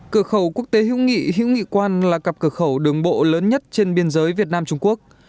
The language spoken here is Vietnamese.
cửa khẩu quốc tế hữu nghị hữu nghị quan là cặp cửa khẩu đường bộ lớn nhất trên biên giới việt nam trung quốc